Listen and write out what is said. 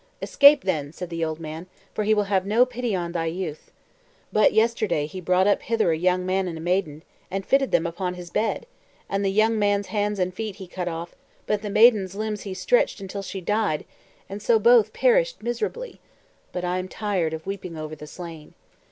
"Escape, then," said the old man, "for he will have no pity on thy youth. But yesterday he brought up hither a young man and a maiden, and fitted them upon his bed; and the young man's hands and feet he cut off, but the maiden's limbs he stretched until she died, and so both perished miserably but I am tired of weeping over the slain.